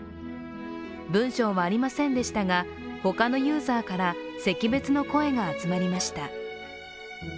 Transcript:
文章はありませんでしたが他のユーザーから惜別の声が集まりました。